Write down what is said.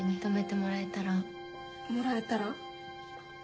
もらえたら？